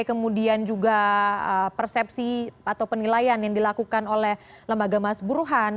kemudian juga persepsi atau penilaian yang dilakukan oleh lembaga mas buruhan